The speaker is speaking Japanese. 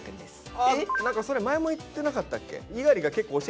あ何かそれ前も言ってなかったっけ？